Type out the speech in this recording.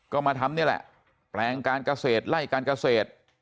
ก็มาทำนี่แหละแปลงการเกษตรไล่การเกษตร